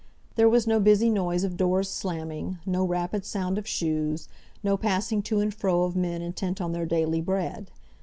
There was no busy noise of doors slamming, no rapid sound of shoes, no passing to and fro of men intent on their daily bread.